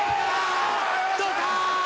どうか？